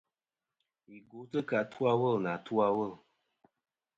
Yi gwotɨ kɨ atu a wul a atu a wul.